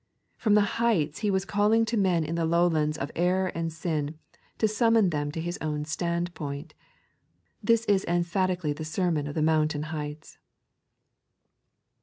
From the heights. He was calling to men in the lowlands of error and sin, to summon them to His own standpoint. This is emphatically the sermon of the mountain heights.